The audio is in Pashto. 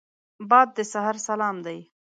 باد د سحر سلام دی